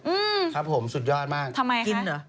อืมครับผมสุดยอดมากทำไมกินเหรอ